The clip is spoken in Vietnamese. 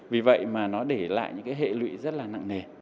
vì vậy mà nó để lại những cái hệ lụy rất là nặng nề